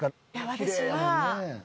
私は。